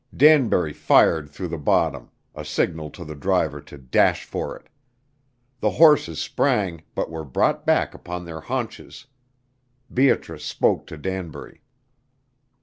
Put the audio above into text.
Danbury fired through the bottom a signal to the driver to dash for it. The horses sprang but were brought back upon their haunches. Beatrice spoke to Danbury.